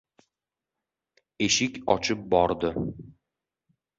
Eshik ochib bordi.